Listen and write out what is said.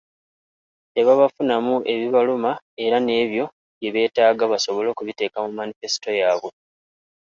Tebabafunamu ebibaluma era n'ebyo bye beetaaga, basobole okubiteeka mu "Manifesto" yaabwe.